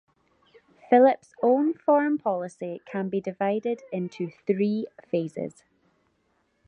Philip's own foreign policy can be divided into three phases.